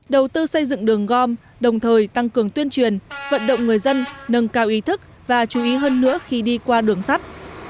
đầu tư xây dựng đường gom đồng thời tăng cường tuyên truyền vận động người dân nâng cao ý thức và chú ý hơn nữa khi đi qua đường sắt